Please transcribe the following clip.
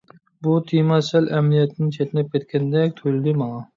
بۇ تېما سەل ئەمەلىيەتتىن چەتنەپ كەتكەندەك تۇيۇلدى ماڭا.